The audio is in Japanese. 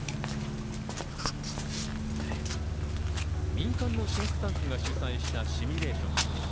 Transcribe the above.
民間のシンクタンクが主催したシミュレーション。